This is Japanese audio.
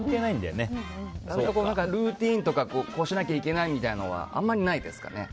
ルーティンとかこうしないといけないなどはあんまりないですかね。